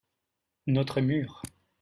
notre mur.